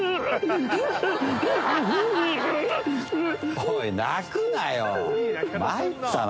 おい、泣くなよ。